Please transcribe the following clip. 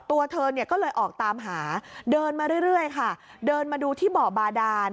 ตัวเธอเนี่ยก็เลยออกตามหาเดินมาเรื่อยค่ะเดินมาดูที่บ่อบาดาน